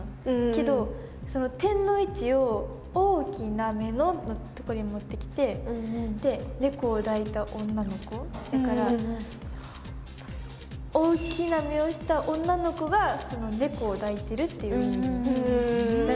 けど点の位置を「大きな目の」のとこに持ってきてで「猫を抱いた女の子」だから大きな目をした女の子が猫を抱いてるっていう。